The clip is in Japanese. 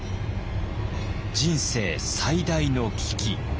人生最大の危機。